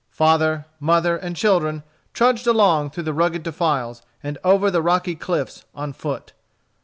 Father, mother, and children trudged along through the rugged defiles and over the rocky cliffs, on foot.